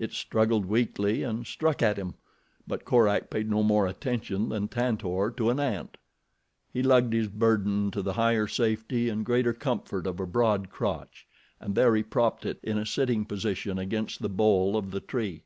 It struggled weakly and struck at him; but Korak paid no more attention than Tantor to an ant. He lugged his burden to the higher safety and greater comfort of a broad crotch, and there he propped it in a sitting position against the bole of the tree.